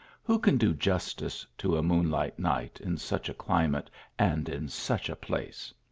Who can do justice to a moonlight night in such a climate, and in such a place